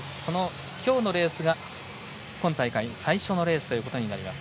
今日のレースが今大会最初のレースとなります。